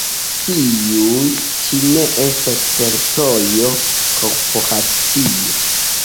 Tiuj ĉi ne estas teritoria korporacio.